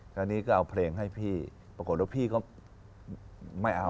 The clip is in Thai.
ตอนนี้ก็เอาเพลงให้พี่ปรากฏว่าพี่ก็ไม่เอา